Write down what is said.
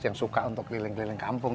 yang suka untuk keliling keliling kampung